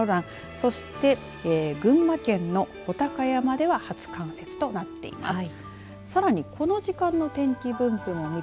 そして群馬県の武尊山では初冠雪となっています。